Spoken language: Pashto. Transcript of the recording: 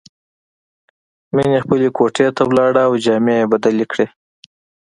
مینه خپلې کوټې ته لاړه او جامې یې بدلې کړې